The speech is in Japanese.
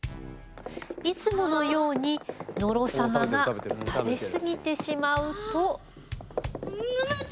いつものように野呂様が食べ過ぎてしまうと。